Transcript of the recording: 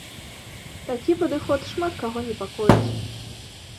Такі падыход шмат каго непакоіць.